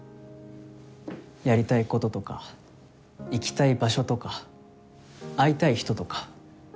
やりたいこととか行きたい場所とか会いたい人とか。